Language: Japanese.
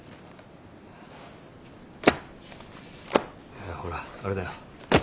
いやほらあれだよ。